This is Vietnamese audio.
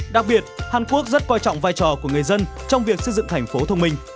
đặc biệt hàn quốc rất coi trọng vai trò của người dân trong việc xây dựng thành phố thông minh